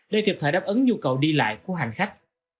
để thiệp thải đáp ứng nhu cầu đi lại của hàng khách